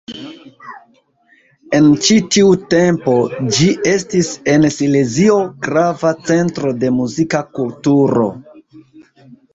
En ĉi tiu tempo ĝi estis en Silezio grava centro de muzika kulturo.